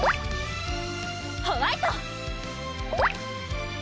ホワイト！